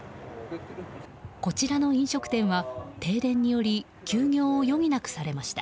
こちらの飲食店は停電により休業を余儀なくされました。